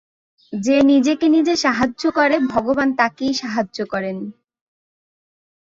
যে নিজেকে নিজে সাহায্য করে, ভগবান তাকেই সাহায্য করেন।